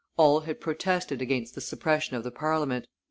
All had protested against the suppression of the Parliament.